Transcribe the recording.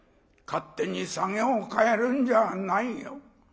勝手にサゲを変えるんじゃないよ。